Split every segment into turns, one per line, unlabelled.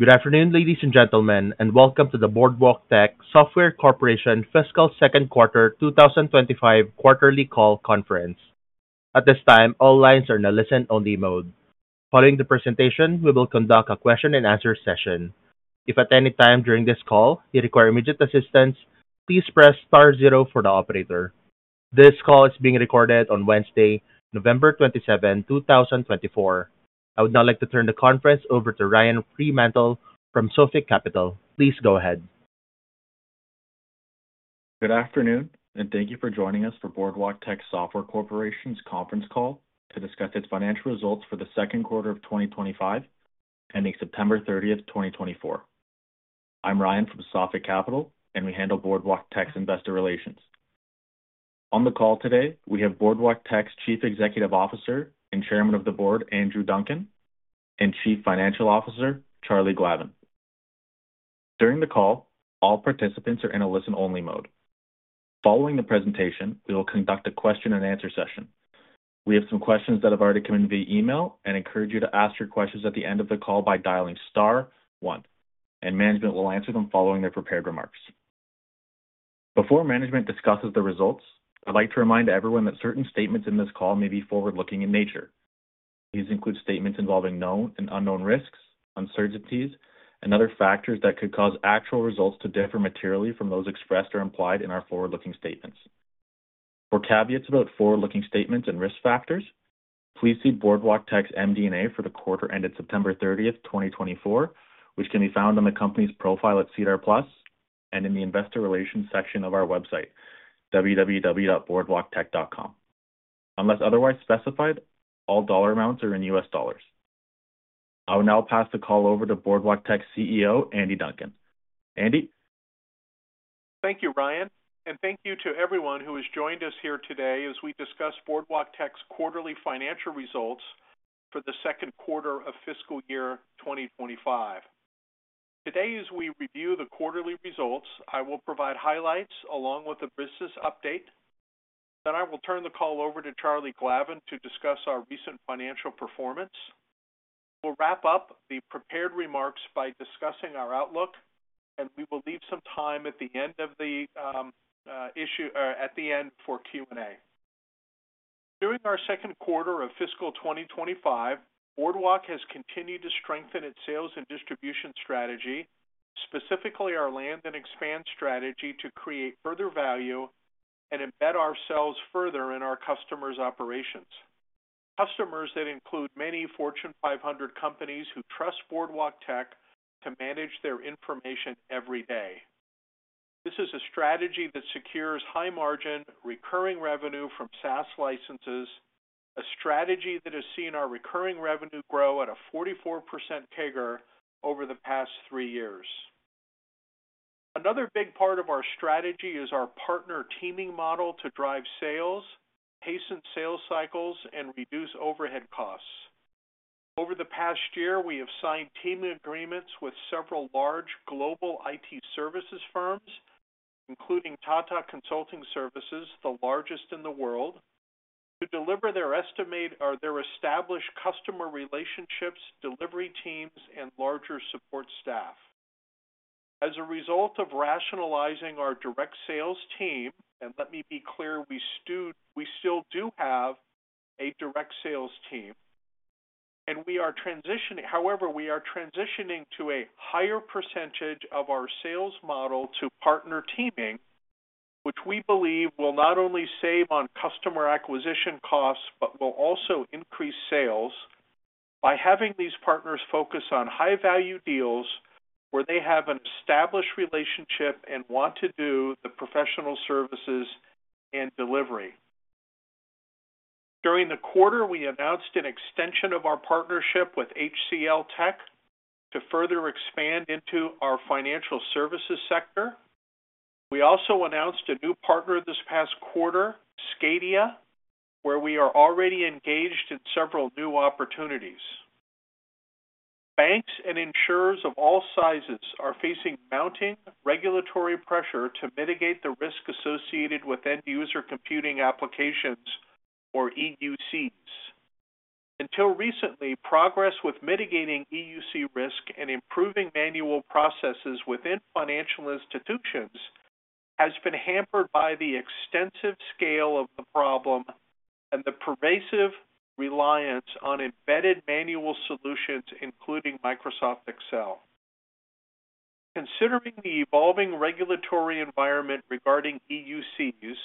Good afternoon, ladies and gentlemen, and welcome to the Boardwalktech Software Corporation Fiscal Second Quarter 2025 Quarterly Call Conference. At this time, all lines are in the listen-only mode. Following the presentation, we will conduct a question-and-answer session. If at any time during this call you require immediate assistance, please press *0 for the operator. This call is being recorded on Wednesday, November 27, 2024. I would now like to turn the conference over to Ryan P. Mantle from Sophic Capital. Please go ahead.
Good afternoon, and thank you for joining us for Boardwalktech Software Corporation's conference call to discuss its financial results for the second quarter of 2025 ending September 30, 2024. I'm Ryan from Sophic Capital, and we handle Boardwalktech's investor relations. On the call today, we have Boardwalktech's Chief Executive Officer and Chairman of the Board, Andrew Duncan, and Chief Financial Officer, Charlie Glavin. During the call, all participants are in a listen-only mode. Following the presentation, we will conduct a question-and-answer session. We have some questions that have already come in via email and encourage you to ask your questions at the end of the call by dialing *1, and management will answer them following their prepared remarks. Before management discusses the results, I'd like to remind everyone that certain statements in this call may be forward-looking in nature. These include statements involving known and unknown risks, uncertainties, and other factors that could cause actual results to differ materially from those expressed or implied in our forward-looking statements. For caveats about forward-looking statements and risk factors, please see Boardwalktech's MD&A for the quarter ended September 30, 2024, which can be found on the company's profile at SEDAR+ and in the investor relations section of our website, www.boardwalktech.com. Unless otherwise specified, all dollar amounts are in U.S. dollars. I will now pass the call over to Boardwalktech's CEO, Andy Duncan. Andy?
Thank you, Ryan, and thank you to everyone who has joined us here today as we discuss Boardwalktech's quarterly financial results for the second quarter of fiscal year 2025. Today, as we review the quarterly results, I will provide highlights along with a business update. Then I will turn the call over to Charlie Glavin to discuss our recent financial performance. We'll wrap up the prepared remarks by discussing our outlook, and we will leave some time at the end of the call for Q&A. During our second quarter of fiscal 2025, Boardwalk has continued to strengthen its sales and distribution strategy, specifically our land and expand strategy to create further value and embed ourselves further in our customers' operations. Customers that include many Fortune 500 companies who trust Boardwalktech to manage their information every day. This is a strategy that secures high margin recurring revenue from SaaS licenses, a strategy that has seen our recurring revenue grow at a 44% figure over the past three years. Another big part of our strategy is our partner teaming model to drive sales, hasten sales cycles, and reduce overhead costs. Over the past year, we have signed team agreements with several large global IT services firms, including Tata Consultancy Services, the largest in the world, to deliver their established customer relationships, delivery teams, and larger support staff. As a result of rationalizing our direct sales team, and let me be clear, we still do have a direct sales team, and we are transitioning, however, we are transitioning to a higher percentage of our sales model to partner teaming, which we believe will not only save on customer acquisition costs but will also increase sales by having these partners focus on high-value deals where they have an established relationship and want to do the professional services and delivery. During the quarter, we announced an extension of our partnership with HCLTech to further expand into our financial services sector. We also announced a new partner this past quarter, Skandia, where we are already engaged in several new opportunities. Banks and insurers of all sizes are facing mounting regulatory pressure to mitigate the risk associated with end-user computing applications, or EUCs. Until recently, progress with mitigating EUC risk and improving manual processes within financial institutions has been hampered by the extensive scale of the problem and the pervasive reliance on embedded manual solutions, including Microsoft Excel. Considering the evolving regulatory environment regarding EUCs,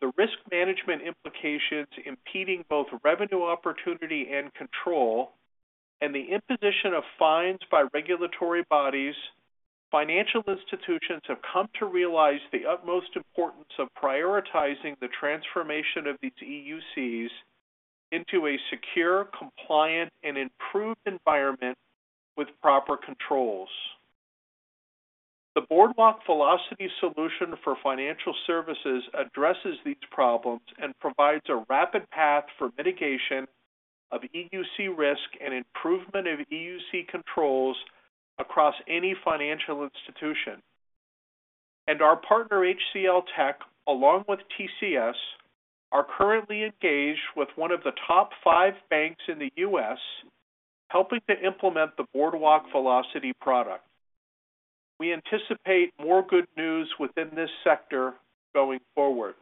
the risk management implications impeding both revenue opportunity and control, and the imposition of fines by regulatory bodies, financial institutions have come to realize the utmost importance of prioritizing the transformation of these EUCs into a secure, compliant, and improved environment with proper controls. The Boardwalk Velocity solution for financial services addresses these problems and provides a rapid path for mitigation of EUC risk and improvement of EUC controls across any financial institution, and our partner, HCLTech, along with TCS, are currently engaged with one of the top five banks in the U.S., helping to implement the Boardwalk Velocity product. We anticipate more good news within this sector going forward.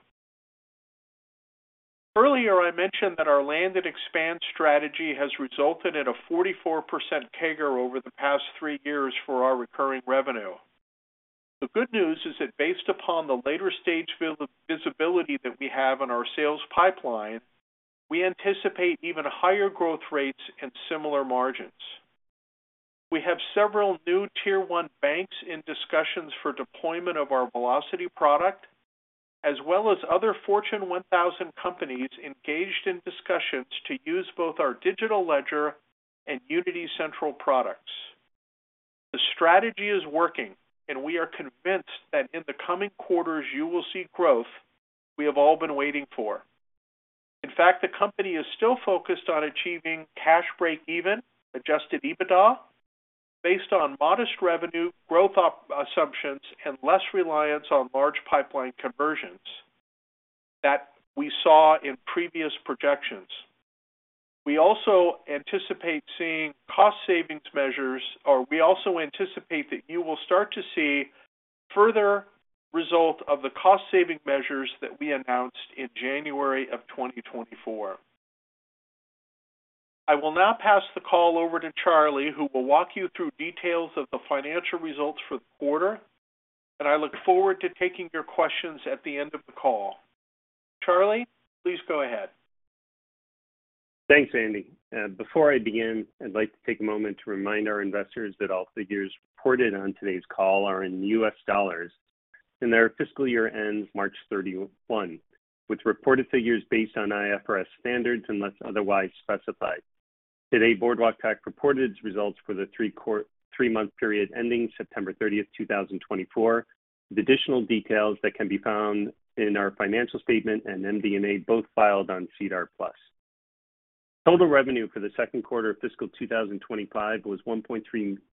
Earlier, I mentioned that our land and expand strategy has resulted in a 44% figure over the past three years for our recurring revenue. The good news is that based upon the later stage visibility that we have on our sales pipeline, we anticipate even higher growth rates and similar margins. We have several new tier one banks in discussions for deployment of our Velocity product, as well as other Fortune 1000 companies engaged in discussions to use both our digital ledger and Unity Central products. The strategy is working, and we are convinced that in the coming quarters you will see growth we have all been waiting for. In fact, the company is still focused on achieving cash break-even, Adjusted EBITDA, based on modest revenue growth assumptions and less reliance on large pipeline conversions that we saw in previous projections. We also anticipate seeing cost savings measures, or we also anticipate that you will start to see further result of the cost saving measures that we announced in January of 2024. I will now pass the call over to Charlie, who will walk you through details of the financial results for the quarter, and I look forward to taking your questions at the end of the call. Charlie, please go ahead.
Thanks, Andy. Before I begin, I'd like to take a moment to remind our investors that all figures reported on today's call are in U.S. dollars, and their fiscal year ends March 31, with reported figures based on IFRS standards unless otherwise specified. Today, Boardwalktech reported its results for the three-month period ending September 30, 2024, with additional details that can be found in our financial statement and MD&A both filed on SEDAR+. Total revenue for the second quarter of fiscal 2025 was $1.3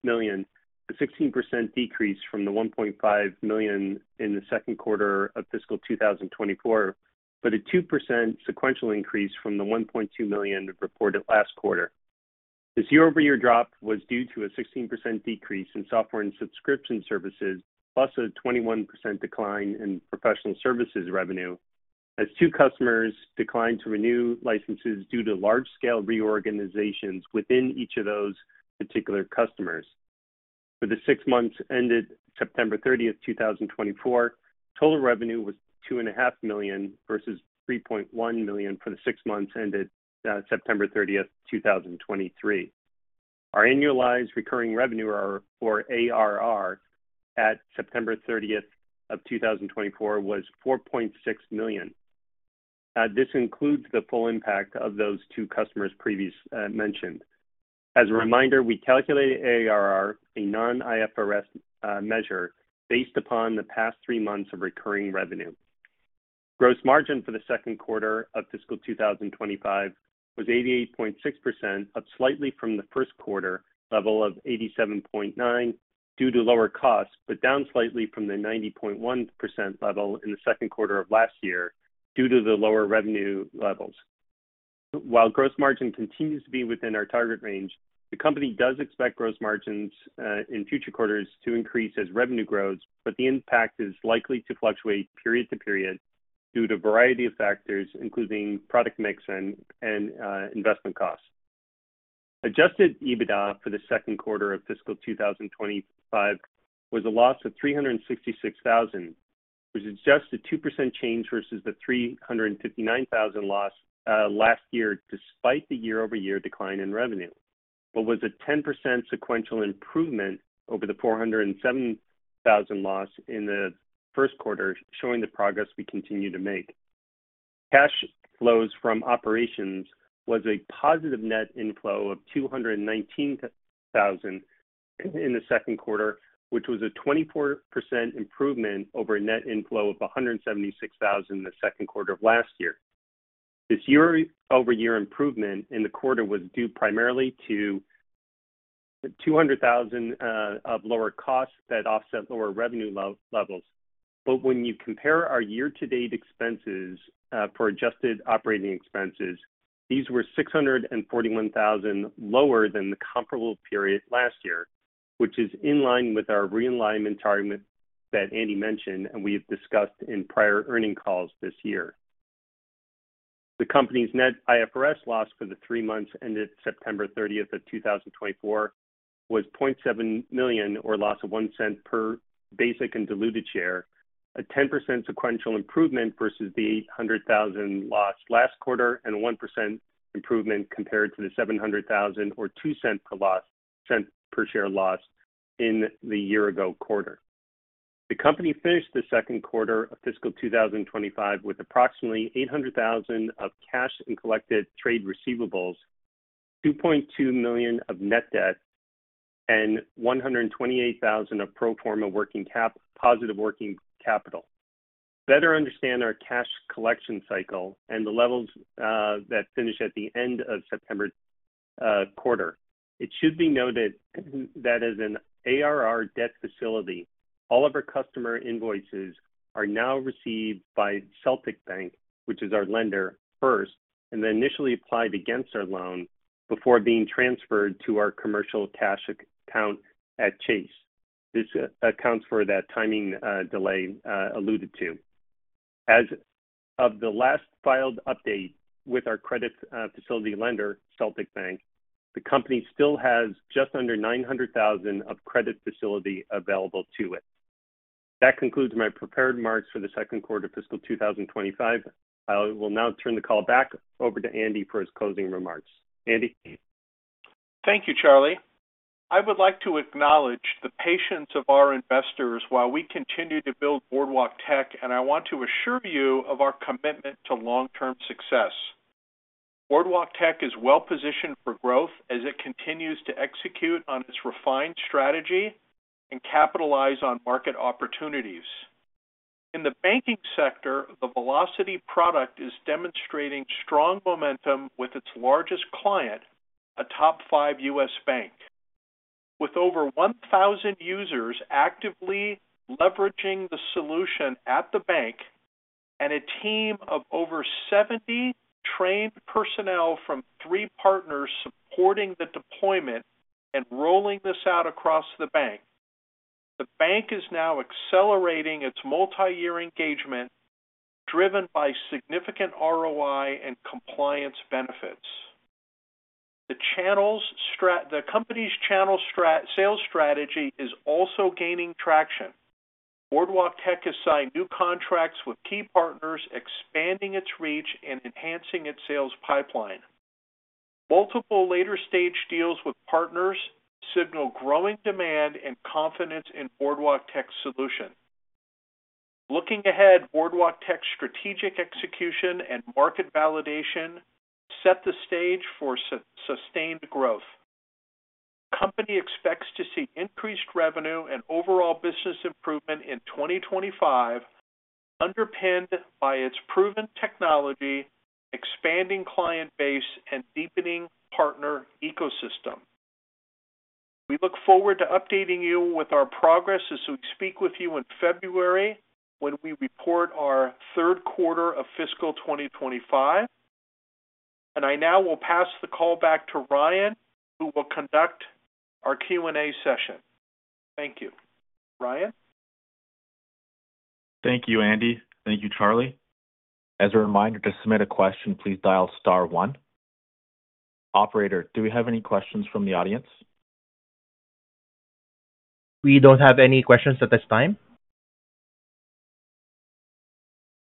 million, a 16% decrease from the $1.5 million in the second quarter of fiscal 2024, but a 2% sequential increase from the $1.2 million reported last quarter. This year-over-year drop was due to a 16% decrease in software and subscription services, plus a 21% decline in professional services revenue, as two customers declined to renew licenses due to large-scale reorganizations within each of those particular customers. For the six months ended September 30, 2024, total revenue was $2.5 million versus $3.1 million for the six months ended September 30, 2023. Our annualized recurring revenue, or ARR, at September 30, 2024, was $4.6 million. This includes the full impact of those two customers previously mentioned. As a reminder, we calculated ARR, a non-IFRS measure, based upon the past three months of recurring revenue. Gross margin for the second quarter of fiscal 2025 was 88.6%, up slightly from the first quarter level of 87.9% due to lower costs, but down slightly from the 90.1% level in the second quarter of last year due to the lower revenue levels. While gross margin continues to be within our target range, the company does expect gross margins in future quarters to increase as revenue grows, but the impact is likely to fluctuate period to period due to a variety of factors, including product mix and investment costs. Adjusted EBITDA for the second quarter of fiscal 2025 was a loss of $366,000, which is just a 2% change versus the $359,000 loss last year, despite the year-over-year decline in revenue, but was a 10% sequential improvement over the $407,000 loss in the first quarter, showing the progress we continue to make. Cash flows from operations was a positive net inflow of $219,000 in the second quarter, which was a 24% improvement over a net inflow of $176,000 in the second quarter of last year. This year-over-year improvement in the quarter was due primarily to $200,000 of lower costs that offset lower revenue levels. But when you compare our year-to-date expenses for adjusted operating expenses, these were $641,000 lower than the comparable period last year, which is in line with our realignment target that Andy mentioned and we have discussed in prior earnings calls this year. The company's net IFRS loss for the three months ended September 30, 2024, was $0.7 million, or a loss of $0.01 per basic and diluted share, a 10% sequential improvement versus the $800,000 loss last quarter, and a 1% improvement compared to the $700,000, or $0.02 per share loss in the year-ago quarter. The company finished the second quarter of fiscal 2025 with approximately $800,000 of cash and collected trade receivables, $2.2 million of net debt, and $128,000 of pro forma working capital. To better understand our cash collection cycle and the levels that finish at the end of September quarter, it should be noted that as an ARR debt facility, all of our customer invoices are now received by Celtic Bank, which is our lender, first, and then initially applied against our loan before being transferred to our commercial cash account at Chase. This accounts for that timing delay alluded to. As of the last filed update with our credit facility lender, Celtic Bank, the company still has just under $900,000 of credit facility available to it. That concludes my prepared remarks for the second quarter of fiscal 2025. I will now turn the call back over to Andy for his closing remarks. Andy?
Thank you, Charlie. I would like to acknowledge the patience of our investors while we continue to build Boardwalktech, and I want to assure you of our commitment to long-term success. Boardwalktech is well-positioned for growth as it continues to execute on its refined strategy and capitalize on market opportunities. In the banking sector, the Velocity product is demonstrating strong momentum with its largest client, a top five U.S. bank, with over 1,000 users actively leveraging the solution at the bank and a team of over 70 trained personnel from three partners supporting the deployment and rolling this out across the bank. The bank is now accelerating its multi-year engagement, driven by significant ROI and compliance benefits. The company's sales strategy is also gaining traction. Boardwalktech has signed new contracts with key partners, expanding its reach and enhancing its sales pipeline. Multiple later stage deals with partners signal growing demand and confidence in Boardwalktech's solution. Looking ahead, Boardwalktech's strategic execution and market validation set the stage for sustained growth. The company expects to see increased revenue and overall business improvement in 2025, underpinned by its proven technology, expanding client base, and deepening partner ecosystem. We look forward to updating you with our progress as we speak with you in February when we report our third quarter of fiscal 2025. And I now will pass the call back to Ryan, who will conduct our Q&A session. Thank you, Ryan.
Thank you, Andy. Thank you, Charlie. As a reminder, to submit a question, please dial star one. Operator, do we have any questions from the audience?
We don't have any questions at this time.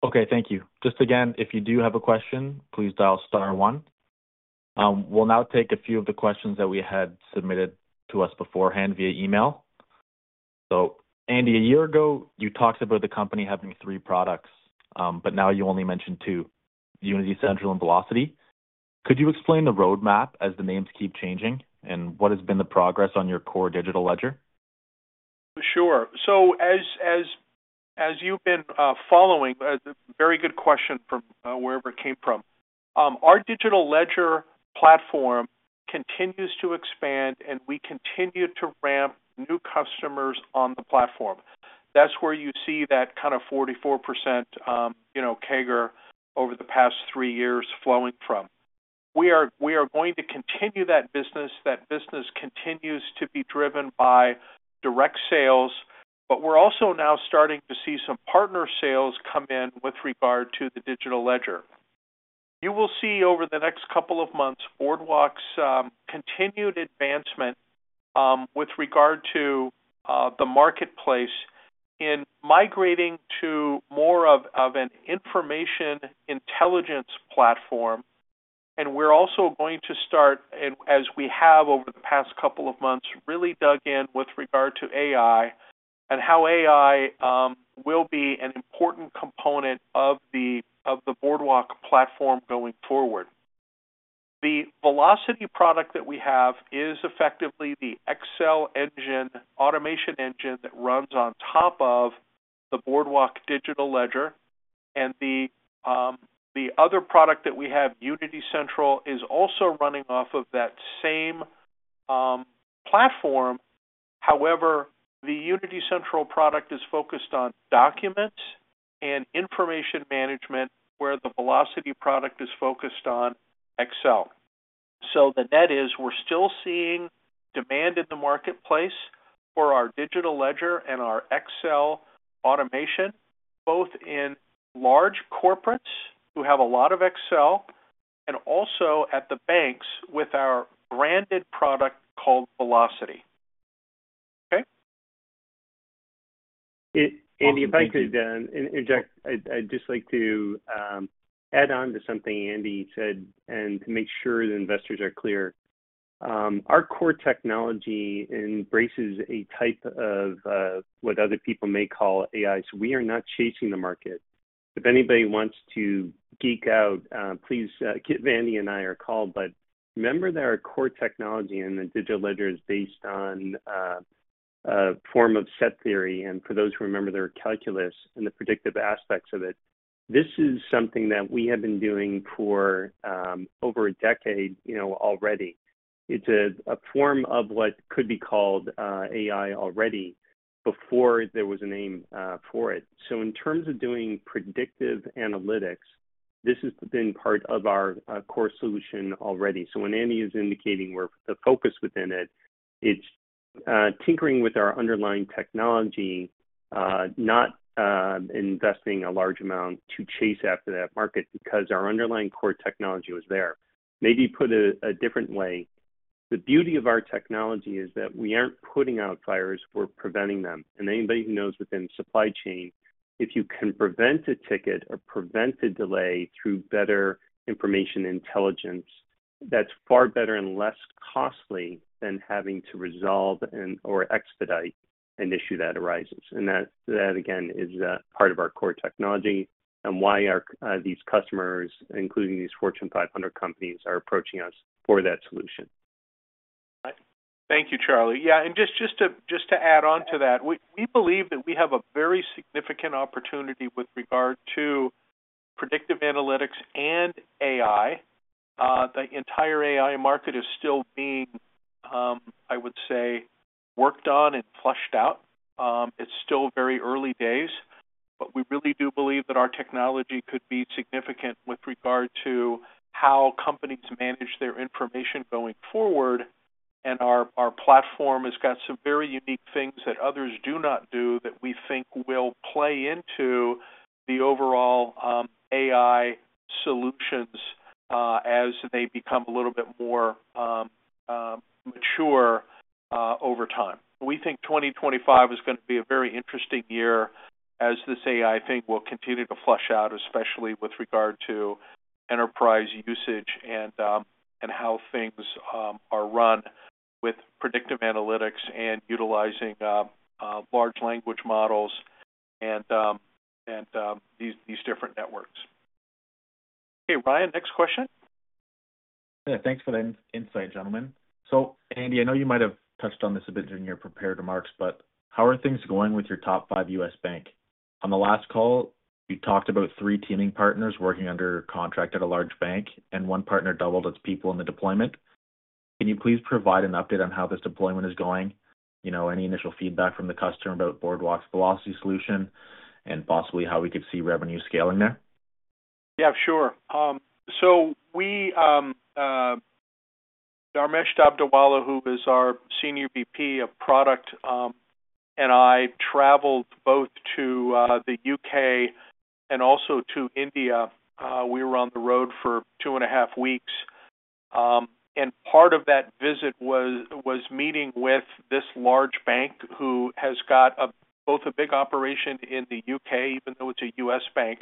Okay. Thank you. Just again, if you do have a question, please dial star one. We'll now take a few of the questions that we had submitted to us beforehand via email. So, Andy, a year ago, you talked about the company having three products, but now you only mentioned two, Unity Central and Velocity. Could you explain the roadmap as the names keep changing, and what has been the progress on your core digital ledger?
Sure. So as you've been following, very good question from wherever it came from. Our digital ledger platform continues to expand, and we continue to ramp new customers on the platform. That's where you see that kind of 44% CAGR over the past three years flowing from. We are going to continue that business. That business continues to be driven by direct sales, but we're also now starting to see some partner sales come in with regard to the digital ledger. You will see over the next couple of months Boardwalk's continued advancement with regard to the marketplace in migrating to more of an information intelligence platform. And we're also going to start, as we have over the past couple of months, really dug in with regard to AI and how AI will be an important component of the Boardwalk platform going forward. The Velocity product that we have is effectively the Excel engine, automation engine that runs on top of the Boardwalk Digital Ledger, and the other product that we have, Unity Central, is also running off of that same platform. However, the Unity Central product is focused on documents and information management, where the Velocity product is focused on Excel, so the net is we're still seeing demand in the marketplace for our Digital Ledger and our Excel automation, both in large corporates who have a lot of Excel and also at the banks with our branded product called Velocity. Okay?
Andy, if I could interject, I'd just like to add on to something Andy said and to make sure the investors are clear. Our core technology embraces a type of what other people may call AI, so we are not chasing the market. If anybody wants to geek out, please give Andy and I a call, but remember that our core technology in the digital ledger is based on a form of set theory, and for those who remember, there is calculus and the predictive aspects of it. This is something that we have been doing for over a decade already. It's a form of what could be called AI already before there was a name for it, so in terms of doing predictive analytics, this has been part of our core solution already. So when Andy is indicating the focus within it, it's tinkering with our underlying technology, not investing a large amount to chase after that market because our underlying core technology was there. Maybe put a different way, the beauty of our technology is that we aren't putting out fires, we're preventing them. And anybody who knows within supply chain, if you can prevent a ticket or prevent a delay through better information intelligence, that's far better and less costly than having to resolve or expedite an issue that arises. And that, again, is part of our core technology and why these customers, including these Fortune 500 companies, are approaching us for that solution.
Thank you, Charlie. Yeah. And just to add on to that, we believe that we have a very significant opportunity with regard to predictive analytics and AI. The entire AI market is still being, I would say, worked on and fleshed out. It's still very early days, but we really do believe that our technology could be significant with regard to how companies manage their information going forward. And our platform has got some very unique things that others do not do that we think will play into the overall AI solutions as they become a little bit more mature over time. We think 2025 is going to be a very interesting year as this AI thing will continue to flesh out, especially with regard to enterprise usage and how things are run with predictive analytics and utilizing large language models and these different networks. Okay, Ryan, next question.
Thanks for the insight, gentlemen. So, Andy, I know you might have touched on this a bit in your prepared remarks, but how are things going with your top five U.S. bank? On the last call, you talked about three teaming partners working under contract at a large bank, and one partner doubled its people in the deployment. Can you please provide an update on how this deployment is going? Any initial feedback from the customer about Boardwalk's Velocity solution and possibly how we could see revenue scaling there?
Yeah, sure. So Dharmesh Dadbhawala, who is our Senior VP of Product, and I traveled both to the U.K. and also to India. We were on the road for two and a half weeks, and part of that visit was meeting with this large bank who has got both a big operation in the U.K., even though it's a U.S. bank,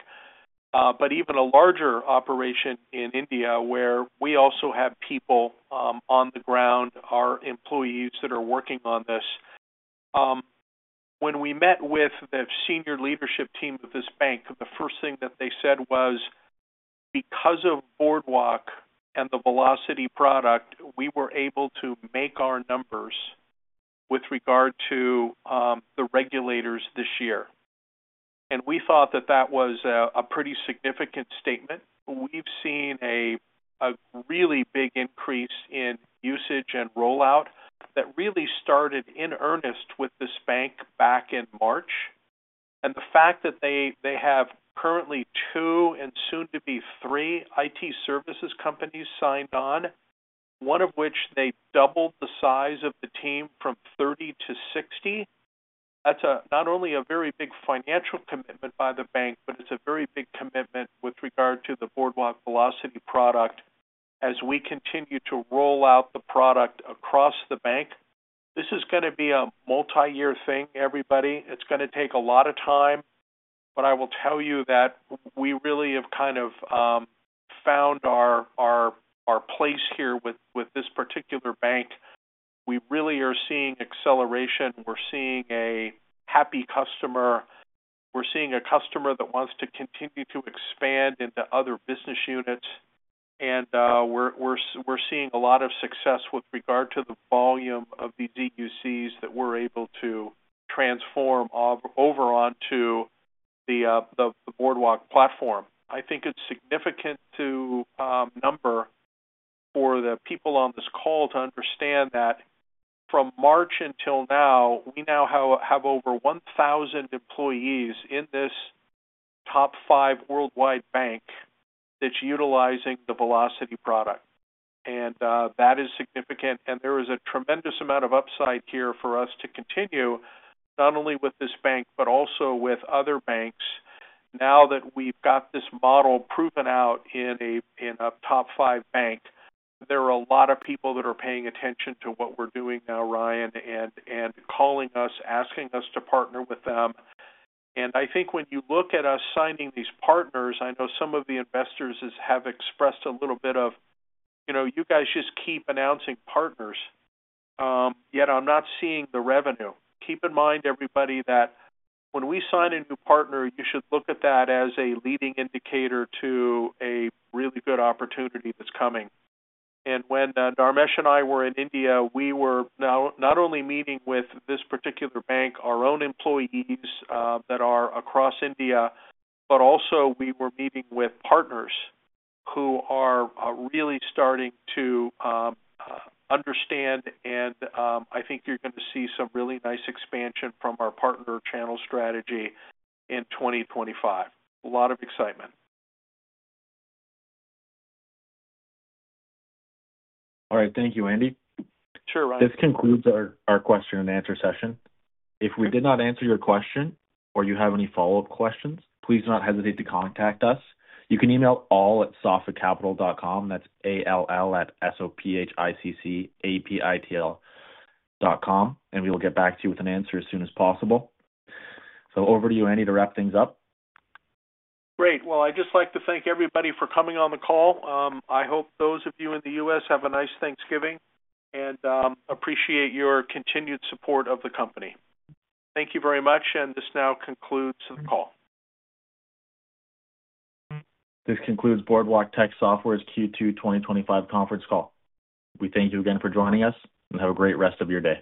but even a larger operation in India, where we also have people on the ground, our employees that are working on this. When we met with the senior leadership team of this bank, the first thing that they said was, "Because of Boardwalk and the Velocity product, we were able to make our numbers with regard to the regulators this year." And we thought that that was a pretty significant statement. We've seen a really big increase in usage and rollout that really started in earnest with this bank back in March, and the fact that they have currently two and soon to be three IT services companies signed on, one of which they doubled the size of the team from 30 to 60, that's not only a very big financial commitment by the bank, but it's a very big commitment with regard to the Boardwalk Velocity product. As we continue to roll out the product across the bank, this is going to be a multi-year thing, everybody. It's going to take a lot of time, but I will tell you that we really have kind of found our place here with this particular bank. We really are seeing acceleration. We're seeing a happy customer. We're seeing a customer that wants to continue to expand into other business units. We're seeing a lot of success with regard to the volume of the EUCs that we're able to transform over onto the Boardwalk platform. I think it's a significant number for the people on this call to understand that from March until now, we now have over 1,000 employees in this top five worldwide bank that's utilizing the Velocity product. That is significant. There is a tremendous amount of upside here for us to continue, not only with this bank, but also with other banks. Now that we've got this model proven out in a top five bank, there are a lot of people that are paying attention to what we're doing now, Ryan, and calling us, asking us to partner with them. I think when you look at us signing these partners, I know some of the investors have expressed a little bit of, "You guys just keep announcing partners, yet I'm not seeing the revenue." Keep in mind, everybody, that when we sign a new partner, you should look at that as a leading indicator to a really good opportunity that's coming. When Dharmesh and I were in India, we were not only meeting with this particular bank, our own employees that are across India, but also we were meeting with partners who are really starting to understand. I think you're going to see some really nice expansion from our partner channel strategy in 2025. A lot of excitement.
All right. Thank you, Andy.
Sure, Ryan.
This concludes our question and answer session. If we did not answer your question or you have any follow-up questions, please do not hesitate to contact us. You can email All@SophicCapital.com. That's A-L-L at S-O-P-H-I-C-C-A-P-I-T-A-L dot com, and we will get back to you with an answer as soon as possible, so over to you, Andy, to wrap things up.
Great. Well, I'd just like to thank everybody for coming on the call. I hope those of you in the U.S. have a nice Thanksgiving and appreciate your continued support of the company. Thank you very much. And this now concludes the call.
This concludes Boardwalktech Software's Q2 2025 conference call. We thank you again for joining us and have a great rest of your day.